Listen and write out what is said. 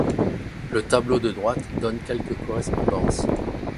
Le tableau de droite donne quelques correspondances.